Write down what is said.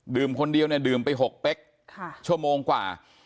คนเดียวเนี่ยดื่มไป๖เป๊กชั่วโมงกว่า